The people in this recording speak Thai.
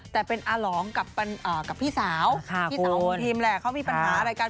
แต่เป็นอาหลองกับพี่สาวพี่สาวของทีมแหละเขามีปัญหาอะไรกัน